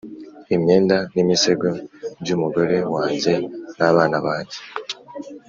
Imyenda nimisego byumugore wanjye nabana bange